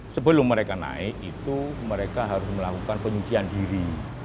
sebelum mereka naik itu mereka harus melakukan penyucian diri